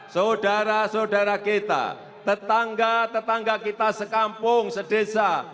saudara saudara kita tetangga tetangga kita sekampung sedesa